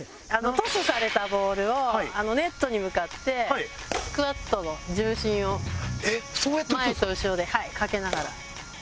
トスされたボールをネットに向かってスクワットの重心を前と後ろでかけながら。